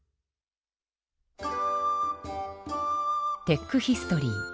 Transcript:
テックヒストリー。